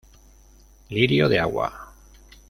Lirio de agua